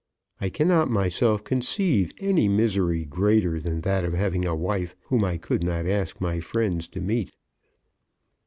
I cannot myself conceive any misery greater than that of having a wife whom I could not ask my friends to meet."